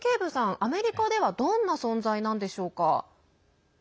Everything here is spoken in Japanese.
アメリカではどんな存在なんでしょうか？